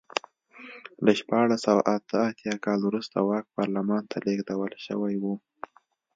له شپاړس سوه اته اتیا کال وروسته واک پارلمان ته لېږدول شوی و.